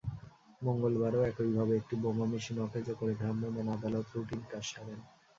মঙ্গলবারও একইভাবে একটি বোমা মেশিন অকেজো করে ভ্রাম্যমাণ আদালত রুটিন কাজ সারেন।